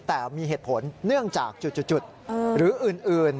แต่มีเหตุผลเนื่องจากจุดหรืออื่น